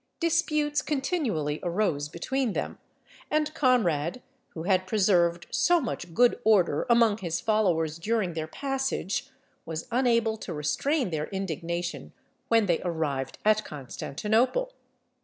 Disputes continually arose between them, and Conrad, who had preserved so much good order among his followers during their passage, was unable to restrain their indignation when they arrived at Constantinople.